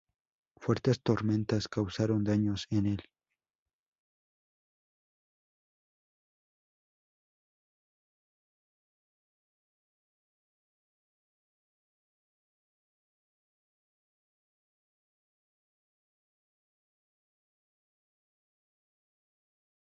La mayoría de los jugadores provienen de la Liga local.